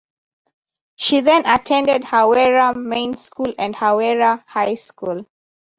She then attended Hawera Main School and Hawera High School.